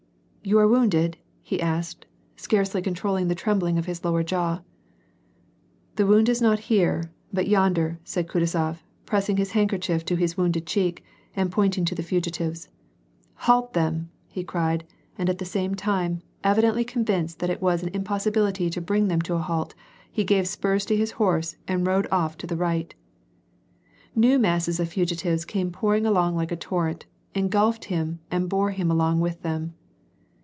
"You are wounded?" he asked, scarcely controlling the trembling of his lower jaw. " The wound is not here but yonder," said Kutuzof, press ing his handkerchief to his wounded cheek, and pointing to the fugitives. " Halt them !" he cried, and at the same time, evidently convinced that it was an impossibility to bring them to a halt, he gave spurs to his horse and rode off to the right. New masses of fugitives came pouring along like a torrent, engulfed him, and bore him along with them.